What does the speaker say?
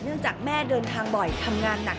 จากแม่เดินทางบ่อยทำงานหนัก